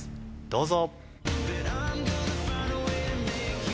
どうぞ。